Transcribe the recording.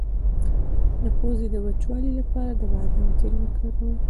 د پوزې د وچوالي لپاره د بادام تېل وکاروئ